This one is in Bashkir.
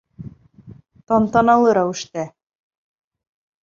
Тантаналы рәүештә.